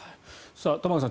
玉川さん